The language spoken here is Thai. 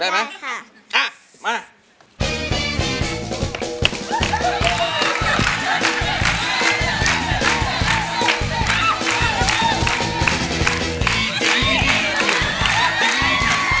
ได้ไหม